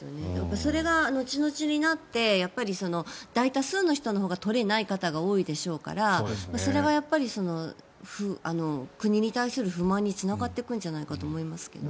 それが、後々になって大多数の人のほうが取れない方が多いでしょうからそれは国に対する不満につながっていくんじゃないかと思いますが。